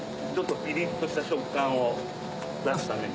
ピリっとした食感を出すために。